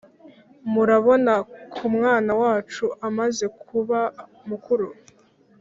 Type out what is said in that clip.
murabona kumwana wacu amaze kuba mukuru